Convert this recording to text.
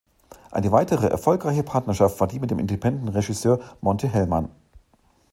Eine weitere erfolgreiche Partnerschaft war die mit dem Independent-Regisseur Monte Hellman.